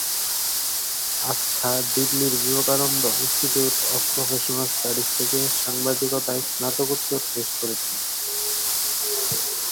আস্থা দিল্লির Vivekananda institute of professional studies থেকে সাংবাদিকতায় স্নাতকোত্তর শেষ করেছেন।